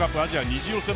２次予選